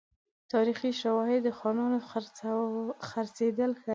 تاریخي شواهد د خانانو خرڅېدل ښيي.